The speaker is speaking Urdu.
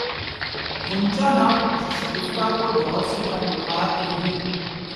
غنچۂ ناشگفتہ کو دور سے مت دکھا کہ یوں